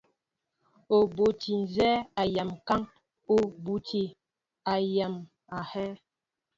Ú bútí nzhě a naay kə́ŋ ú bútí anyaŋ a hɛ́.